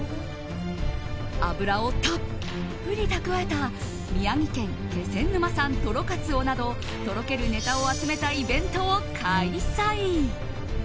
脂をたっぷりたくわえた宮城県気仙沼産とろかつおなどとろけるネタを集めたイベントを開催。